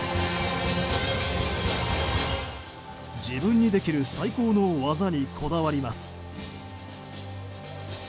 自分にできる最高の技にこだわります。